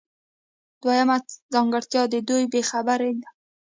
دویمه ځانګړتیا د دوی بې خبري ده.